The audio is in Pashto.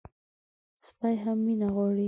سپي هم مینه غواړي.